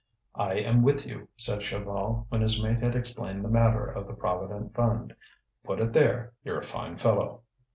"I am with you!" said Chaval, when his mate had explained the matter of the Provident Fund. "Put it there! you're a fine fellow!"